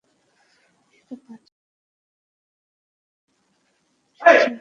নিহত সাতজনের মধ্যে পাঁচজনই পত্নীতলার বিরিঞ্চি গ্রামের বাসিন্দা বলে তিনি শনাক্ত করেন।